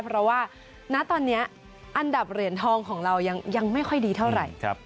เพราะว่าณตอนนี้อันดับเหรียญทองของเรายังไม่ค่อยดีเท่าไหร่